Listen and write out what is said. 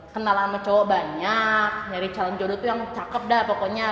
kenalan sama cowok banyak nyari calon jodoh tuh yang cakep dah pokoknya